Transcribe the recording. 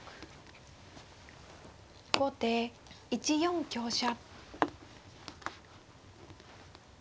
後手１四香車。